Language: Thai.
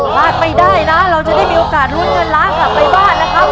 พลาดไปได้นะเราจะได้มีโอกาสลุ้นเงินล้านกลับไปบ้านนะครับ